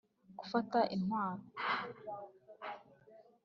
gufata intwaro